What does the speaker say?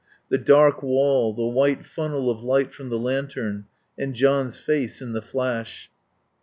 The dark wall, the white funnel of light from the lantern, and John's face in the flash....